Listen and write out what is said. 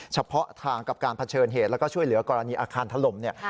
เฉพาะทางกับการเผชิญเหตุแล้วก็ช่วยเหลือกรณีอาคารถล่มเนี่ย